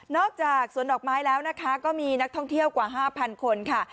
จากสวนดอกไม้แล้วนะคะก็มีนักท่องเที่ยวกว่า๕๐๐คนค่ะ